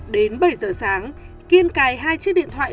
đến bảy giờ sáng kiên cài hai chiếc điện thoại